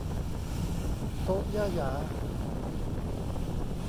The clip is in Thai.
โต๊ะย่าหยา